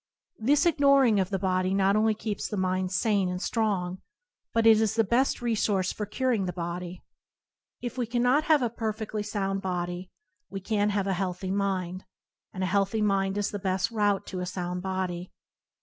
This ignoring of the body not only keeps the mind sane and strong, but it is the best resource for cur ing the body. If we cannot have a perfedly [ 33 ] sound body, we can have a healthy mind, and a healthy mind is the best route to a sound body.